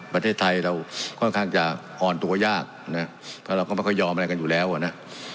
ประเทศไทยเราค่อนข้างจะอ่อนตัวยากนะเพราะเราก็ไม่ค่อยยอมอะไรกันอยู่แล้วอ่ะนะ